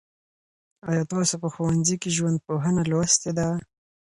آیا تاسو په ښوونځي کي ژوندپوهنه لوستې ده؟